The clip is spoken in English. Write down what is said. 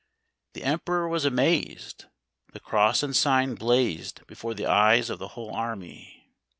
] The emperor was amazed. The cross and sign blazed before the eyes of the whole army.